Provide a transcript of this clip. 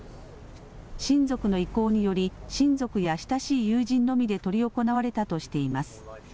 親族の意向により親族や親しい友人のみで執り行われたとしています。